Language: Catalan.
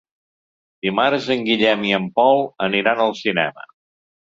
Dimarts en Guillem i en Pol aniran al cinema.